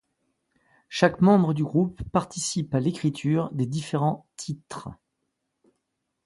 Chaque membre du groupe participe à l'écriture des différents titres.